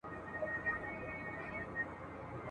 ووایه: زه ډاډه يم، چې ته دا کار ترسره کولی شې.